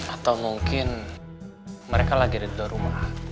atau mungkin mereka lagi ada di luar rumah